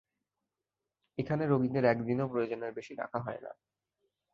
এখানে রোগীদের একদিনও প্রয়োজনের বেশি রাখা হয় না।